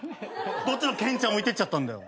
どっちのケンちゃん置いていっちゃったんだよ。